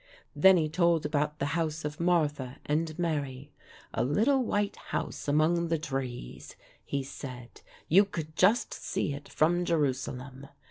Then he told about the house of Martha and Mary: "a little white house among the trees," he said; "you could just see it from Jerusalem."